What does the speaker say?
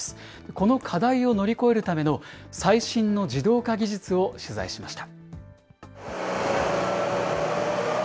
この課題を乗り越えるための最新の自動化技術を取材しました。